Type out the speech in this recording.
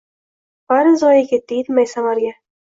Bari zoye’ ketdi yetmay samarga.